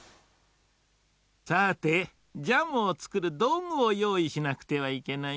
さぁてジャムをつくるどうぐをよういしなくてはいけないな。